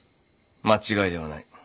間違いではない。